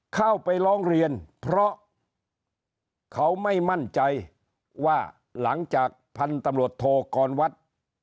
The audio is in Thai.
เข้าไปร้องเรียนเพราะเขาไม่มั่นใจว่าหลังจากพันธุ์ตำรวจโทกรวัตร